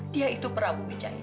dia itu perabu bijaya